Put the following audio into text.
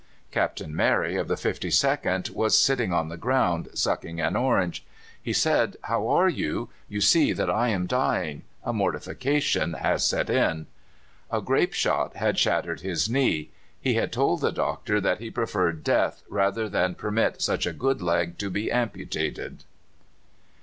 Captain Merry, of the 52nd, was sitting on the ground, sucking an orange. "He said: 'How are you? You see that I am dying: a mortification has set in.' "A grape shot had shattered his knee. He had told the doctor that he preferred death rather than permit such a good leg to be amputated."